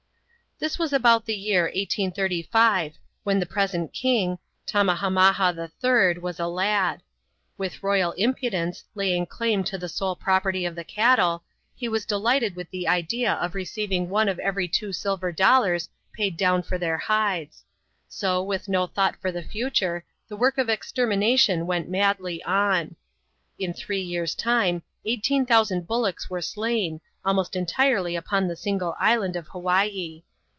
This was about the year 1835, when the present king, Tam mahamaha III., was a lad. With royal impudence, laying claim to the sole property of the cattle, he was delighted with the idea of receiving one of every two silver dollars paid down for their hides ; so, wit^E no thought for the future, the work of ex termination went madly on. In three years' time, eighteen thousand bullocks were slain, almost entirely upon the single island of Hawaii.